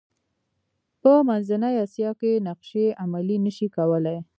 په منځنۍ اسیا کې نقشې عملي نه شي کولای.